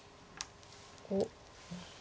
おっ。